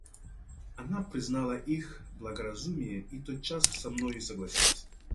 Она признала их благоразумие и тотчас со мною согласилась.